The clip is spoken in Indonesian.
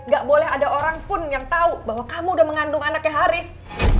gak boleh ada orang pun yang tahu bahwa kamu udah mengandung anaknya haris